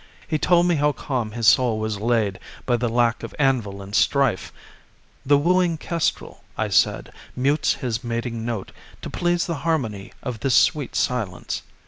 He told me how calm his soul was laid By the lack of anvil and strife. "The wooing kestrel," I said, "mutes his mating note To please the harmony of this sweet silence."